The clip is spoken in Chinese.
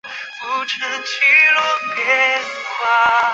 王稼祥还兼任中革军委总政治部主任。